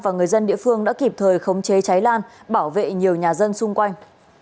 và người dân địa phương đã kịp thời khống chế cháy lan bảo vệ nhiều nhà dân xung quanh